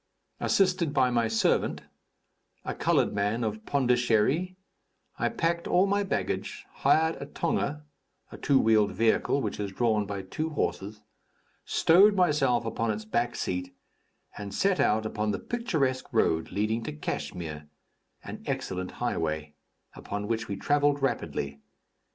Assisted by my servant, a colored man of Pondichery, I packed all my baggage, hired a tonga (a two wheeled vehicle which is drawn by two horses), stowed myself upon its back seat, and set out upon the picturesque road leading to Kachmyr, an excellent highway, upon which we travelled rapidly.